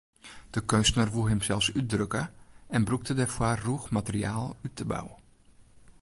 De keunstner woe himsels útdrukke en brûkte dêrfoar rûch materiaal út de bou.